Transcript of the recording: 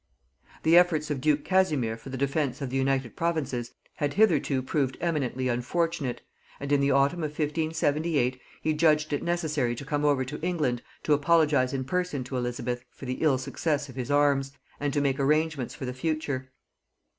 The efforts of duke Casimir for the defence of the United Provinces had hitherto proved eminently unfortunate; and in the autumn of 1578 he judged it necessary to come over to England to apologize in person to Elizabeth for the ill success of his arms, and to make arrangements for the future.